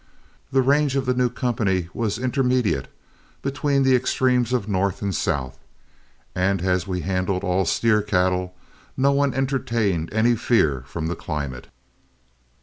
The range of the new company was intermediate between the extremes of north and south, and as we handled all steer cattle, no one entertained any fear from the climate.